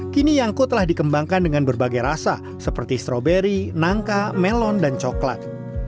kini yangko telah dikembangkan dengan berbagai rasa seperti stroberi nangka melon dan coklat